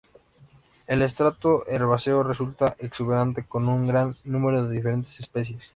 El estrato herbáceo resulta exuberante, con un gran número de diferentes especies.